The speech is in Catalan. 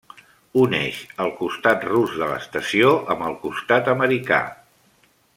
Uneix el costat rus de l'estació amb el costat americà.